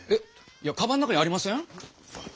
いやカバンの中にありません？